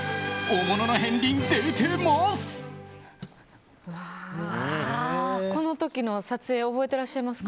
大物の片鱗、出てます。